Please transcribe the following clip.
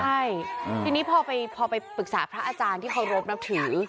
ใช่ทีนี้พอไปปรึกษาพระอาจารย์ที่เคารพนับถือ